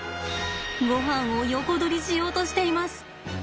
ごはんを横取りしようとしています。